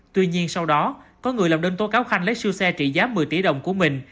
tuy nhiên sau đó có người làm đơn tố cáo khanh lấy siêu xe trị giá một mươi tỷ đồng của mình